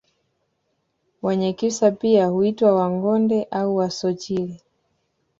Wanyakyusa pia huitwa Wangonde au Wasochile